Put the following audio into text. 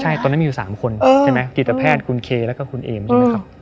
ใช่ตอนนั้นมีอยู่๓คนใช่ไหมจิตแพทย์คุณเคแล้วก็คุณเอมใช่ไหมครับ